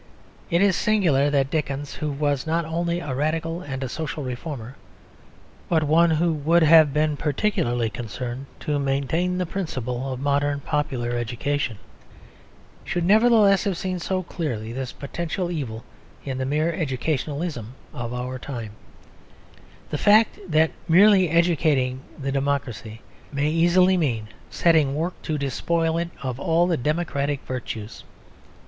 It is singular that Dickens, who was not only a radical and a social reformer, but one who would have been particularly concerned to maintain the principle of modern popular education, should nevertheless have seen so clearly this potential evil in the mere educationalism of our time the fact that merely educating the democracy may easily mean setting to work to despoil it of all the democratic virtues.